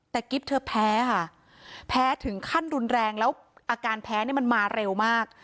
แต่กิ๊บเธอแพ้ค่ะแพ้ถึงขั้นรุนแรงแล้วอาการแพ้เนี่ยมันมาเร็วมาก